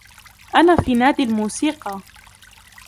أنا في نادي الموسيقى.